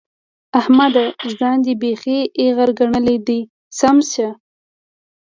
احمده! ځان دې بېخي ايغر ګڼلی دی؛ سم شه.